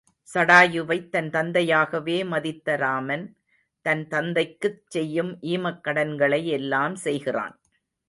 சடாயுவைத் தன் தந்தையாகவே மதித்த ராமன், தன் தந்தைக்குச் செய்யும் ஈமக்கடன்களை எல்லாம் செய்கிறான்.